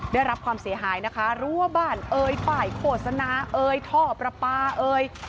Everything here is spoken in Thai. ได้รับความเสียหายนะคะรั้วบ้านเอ่ยป้ายโฆษณาเอ่ยท่อประปาเอ่ย